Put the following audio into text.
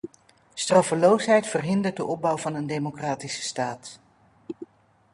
Straffeloosheid verhindert de opbouw van een democratische staat.